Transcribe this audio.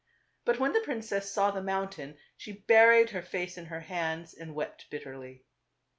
But when the princess saw the mountain she buried her face in her hands and wept bitterly.